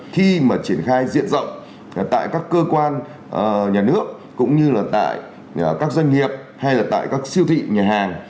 khi mà triển khai diện rộng tại các cơ quan nhà nước cũng như là tại các doanh nghiệp hay là tại các siêu thị nhà hàng